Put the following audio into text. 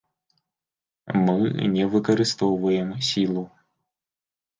Мы не выкарыстоўваем сілу.